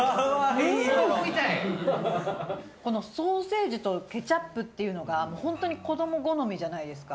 このソーセージとケチャップっていうのがもうホントに子供好みじゃないですか